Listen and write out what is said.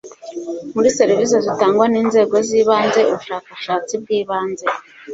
muri serivisi zitangwa n inzego z ibanze ubushakashatsi bwibanze